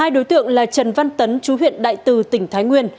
hai đối tượng là trần văn tấn chú huyện đại từ tỉnh thái nguyên